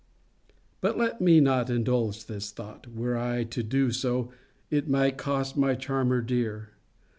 But let me not indulge this thought. Were I to do so, it might cost my charmer dear.